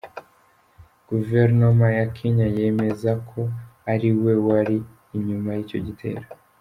Guverinoma ya Kenya yemeza ko ari we wari inyuma y’icyo gitero.